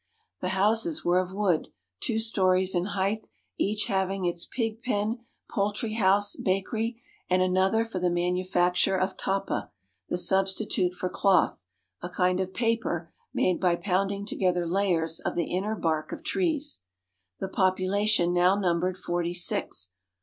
The houses were of wood, two stories in height, each having its pig pen, 507 ISLANDS OF THE PACIFIC poultry house, bakery, and another for the manufacture of lappa, the substitute for cloth, a kind of paper made by pounding together layers of the inner bark of trees. The population now numbered forty six.